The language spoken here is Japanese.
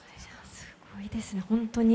すごいですね、本当に。